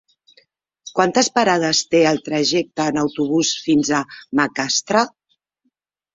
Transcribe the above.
Quantes parades té el trajecte en autobús fins a Macastre?